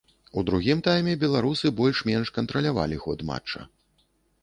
У другім тайме беларусы больш-менш кантралявалі ход матча.